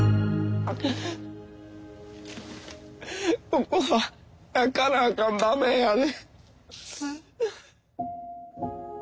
ここは泣かなあかん場面やで。